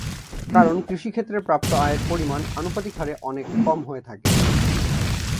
কারণ কৃষিক্ষেত্রে প্রাপ্ত আয়ের পরিমাণ আনুপাতিক হারে অনেক কম হয়ে থাকে।